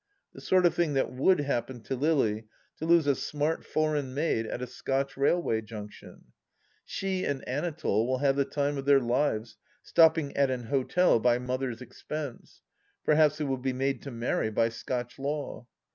The sort of thing that would happen to Lily, to lose a smart foreign maid at a Scotch railway junction ! She and Anatole will have the time of their lives; stopping at an hotel at Mother's expense ! Perhaps they will be made to marry by Scotch law